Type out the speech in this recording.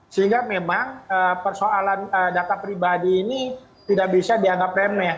sehingga memang persoalan data pribadi ini tidak bisa dianggap remeh